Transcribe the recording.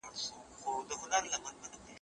ما د غلام د زوی لپاره ګلان اخیستي دي.